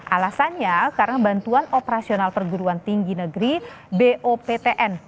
alasannya karena bantuan operasional perguruan tinggi negeri boptn